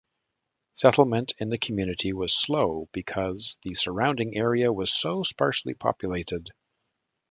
Settlement in the community was slow because the surrounding area was so sparsely populated.